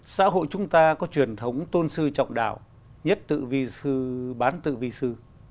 xã hội chúng ta có truyền thống tôn sư trọng đạo nhất tự vi sư bán tự vi sư